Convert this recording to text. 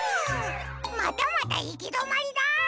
またまたいきどまりだ！